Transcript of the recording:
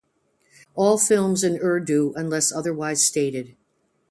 All films in Urdu unless otherwise stated.